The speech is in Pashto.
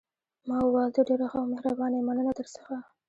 ما وویل: ته ډېره ښه او مهربانه یې، مننه درڅخه.